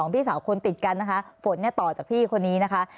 พี่สาวคนติดกันนะคะฝนเนี่ยต่อจากพี่คนนี้นะคะ